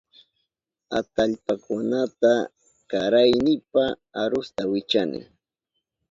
Atallpakunata karanaynipa arusta wichani.